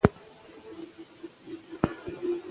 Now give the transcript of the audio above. تاسو د خپلواکۍ نوي نسلونه یاست.